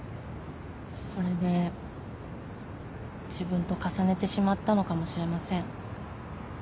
それで自分と重ねてしまったのかもしれません。